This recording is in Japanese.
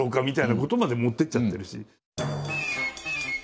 みたいなことまで持ってっちゃってるし。